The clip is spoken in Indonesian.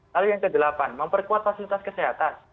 lalu yang kedelapan memperkuat fasilitas kesehatan